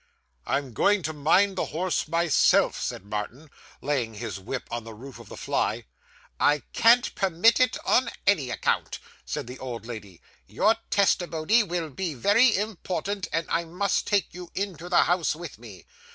'I'm going to mind the horse myself,' said Martin, laying his whip on the roof of the fly. 'I can't permit it, on any account,' said the old lady; 'your testimony will be very important, and I must take you into the house with me.